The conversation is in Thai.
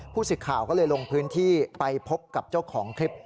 สิทธิ์ข่าวก็เลยลงพื้นที่ไปพบกับเจ้าของคลิป